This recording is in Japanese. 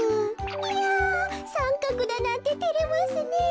いやさんかくだなんててれますねえ。